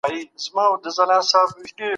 ته په کتابچه کې یادښتونه لیکې تل درسره وي.